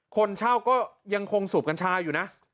คนเช่าก็ยังคงสูบกัญชาอยู่นะ